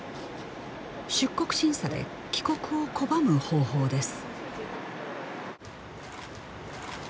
出国審査で帰国を拒む方法です